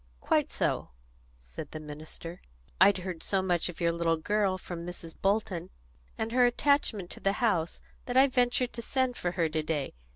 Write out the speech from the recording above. "Quite so," said the minister. "I'd heard so much of your little girl from Mrs. Bolton, and her attachment to the house, that I ventured to send for her to day.